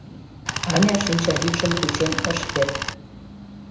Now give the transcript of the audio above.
— Аня шинчавӱдшым кучен ыш керт.